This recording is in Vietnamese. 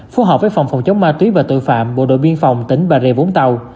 phù hợp với phòng phòng chống ma túy và tội phạm bộ đội biên phòng tỉnh bà rịa vũng tàu